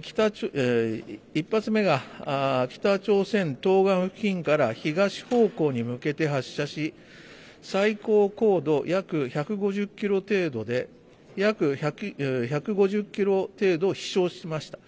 １発目が北朝鮮東岸付近から東方向に向けて発射し最高高度、約１５０キロ程度で約１５０キロ程度飛しょうしました。